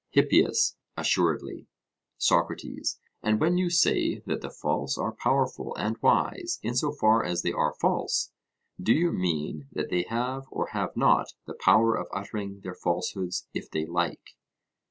HIPPIAS: Assuredly. SOCRATES: And when you say that the false are powerful and wise in so far as they are false, do you mean that they have or have not the power of uttering their falsehoods if they like?